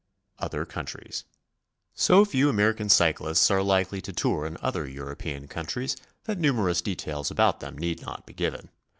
OTHER COUNTRIES. So few American cyclists are likely to tour in other European countries that numerous details about them need not be given.